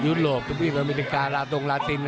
ยุโรปอเมริกาตรงลาติน